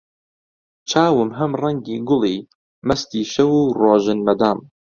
چاوی هەم ڕەنگی گوڵی، مەستی شەو و ڕۆژن مەدام